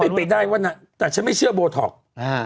เป็นไปได้ว่านะแต่ฉันไม่เชื่อโบท็อกซ์